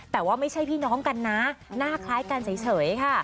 แต่ว่าไม่ใช่พี่น้องกันนะหน้าคล้ายกันเฉยค่ะ